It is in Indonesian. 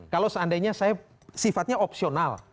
kalau seandainya saya sifatnya opsional